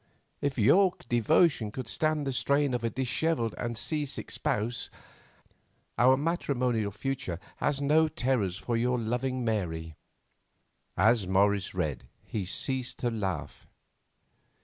If your devotion could stand the strain of a dishevelled and seasick spouse, our matrimonial future has no terrors for your loving MARY." As Morris read he ceased to laugh.